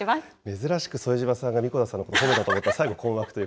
珍しく副島さんが神子田さんのこと褒めたと思ったら、最後困惑。